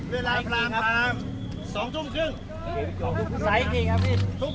๓๐เวลาพร้อมทาง๒จุ่มถึง